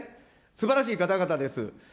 すばらしい方々です。